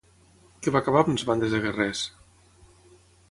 Què va acabar amb les bandes de guerrers?